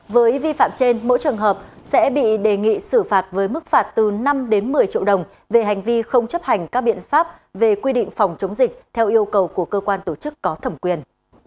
với vi phạm trên mỗi trường hợp sẽ bị đề nghị xử phạt với mức phạt từ năm đến một mươi triệu đồng về hành vi không chấp hành các biện pháp về quy định phòng chống dịch theo yêu cầu của cơ quan tổ chức có thẩm quyền